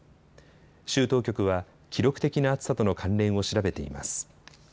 州当局は記録的な暑さとの関連を調べています。